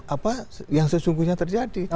apa yang sesungguhnya terjadi